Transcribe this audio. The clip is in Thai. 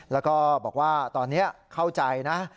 แล้วก็บอกว่าตอนนี้เข้าใจนะ